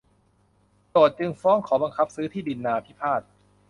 โจทก์จึงฟ้องขอบังคับซื้อที่ดินนาพิพาท